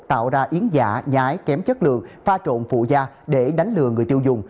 tạo ra yến giả nhái kém chất lượng pha trộn phụ da để đánh lừa người tiêu dùng